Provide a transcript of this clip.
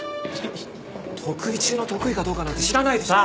得意中の得意かどうかなんて知らないでしょ！